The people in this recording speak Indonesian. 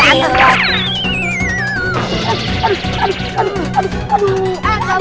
aduh aduh aduh